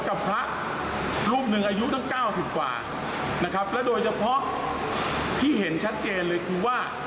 และโดยเฉพาะที่เห็นชัดเจนเลยคือว่า